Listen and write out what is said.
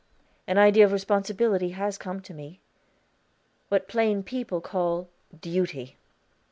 "An idea of responsibility has come to me what plain people call Duty."